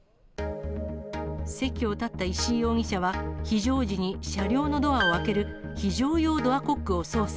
席を立った石井容疑者は、非常時に車両のドアを開ける、非常用ドアコックを操作。